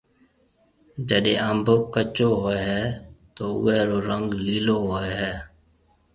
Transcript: جيڏيَ انڀ ڪچو هوئي هيَ تو اوئي رو رنگ ليلو هوئي هيَ۔